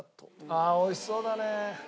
ああ美味しそうだね。